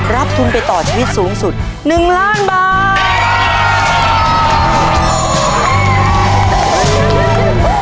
รับทุนไปต่อชีวิตสูงสุด๑ล้านบาท